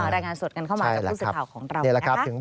รายงานสดกันเข้ามาจากผู้สิทธิ์ข่าวของเรานะครับ